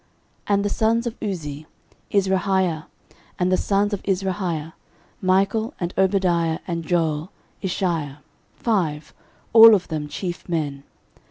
13:007:003 And the sons of Uzzi; Izrahiah: and the sons of Izrahiah; Michael, and Obadiah, and Joel, Ishiah, five: all of them chief men.